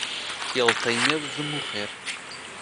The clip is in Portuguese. Ele tem medo de morrer.